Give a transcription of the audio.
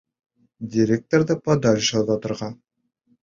Директорҙы подәлше оҙатырға.